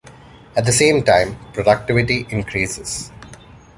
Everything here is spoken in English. At the same time productivity increases.